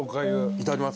いただきます。